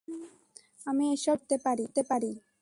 আমি এসব ঠিক করতে পারি।